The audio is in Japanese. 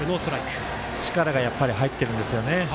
力が入っているんですよね。